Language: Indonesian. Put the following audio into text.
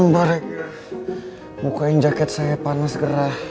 pak regar bukain jaket saya panas gerah